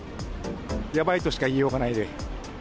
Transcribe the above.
やばいとしか言いようがないね。